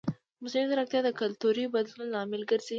مصنوعي ځیرکتیا د کلتوري بدلون لامل ګرځي.